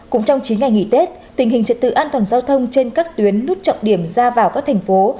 cũng trong chín ngày nghỉ tết tình hình trật tự an toàn giao thông trên các tuyến nút trọng điểm ra vào các thành phố